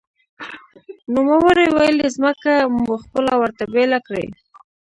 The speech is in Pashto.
نوموړي ویلي، ځمکه مو خپله ورته بېله کړې